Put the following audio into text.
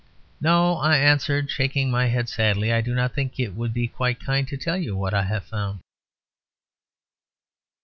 "No," I answered, shaking my head sadly, "I do not think it would be quite kind to tell you what I have found."